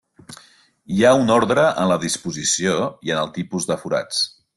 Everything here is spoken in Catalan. Hi ha un ordre en la disposició i en el tipus de forats.